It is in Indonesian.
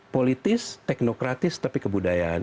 politis teknokratis tapi kebudayaan